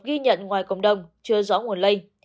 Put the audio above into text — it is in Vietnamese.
ghi nhận ngoài cộng đồng chưa rõ nguồn lây